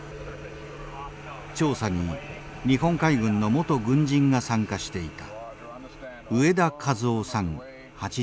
調査に日本海軍の元軍人が参加していた。